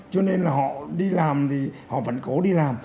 cho nên là họ đi làm thì họ vẫn cố đi làm